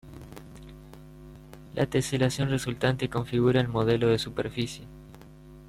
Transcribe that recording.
La teselación resultante configura el modelo de superficie.